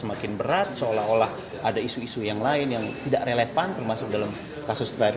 semakin berat seolah olah ada isu isu yang lain yang tidak relevan termasuk dalam kasus terakhir